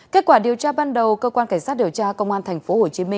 kết quả điều tra ban đầu cơ quan cảnh sát điều tra công an tp hcm